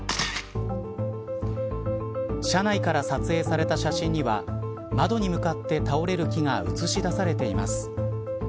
車内から撮影された写真には窓に向かって倒れる木が写し出されています。